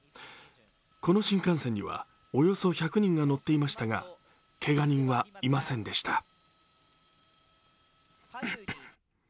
この新幹線にはおよそ１００人が乗っていましたが、けが人はいませんでした。